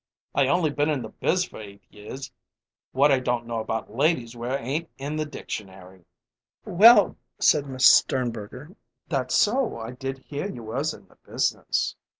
I only been in the biz for eight years. What I don't know about ladies' wear ain't in the dictionary." "Well," said Miss Sternberger, "that's so; I did hear you was in the business."